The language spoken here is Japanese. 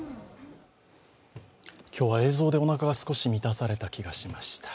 今日は映像でおなかが少し満たされた気がしました。